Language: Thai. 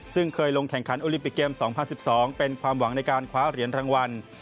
ซึ่งเคยลงแข่งขันโอลิมปิกเกม๒๐๑๒เป็นความหวังในการคว้าเหรียญรางวัล